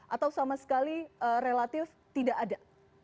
atau sama sekali relatif tidak ada